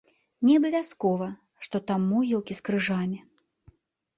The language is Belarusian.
Неабавязкова, што там могілкі з крыжамі.